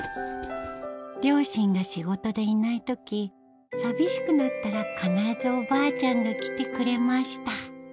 両親が仕事でいない時寂しくなったら必ずおばあちゃんが来てくれました